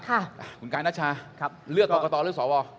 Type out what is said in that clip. คุณกายนัชชาเลือกกกหรือสว